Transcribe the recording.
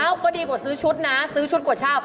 ก็ดีกว่าซื้อชุดนะซื้อชุดกว่าชอบ